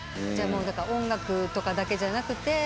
じゃ音楽とかだけじゃなくて。